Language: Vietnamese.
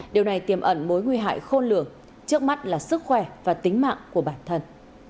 điều này tiềm ẩn mối nguy hại khôn lửa trước mắt là sức khỏe và tính mạng của bản thân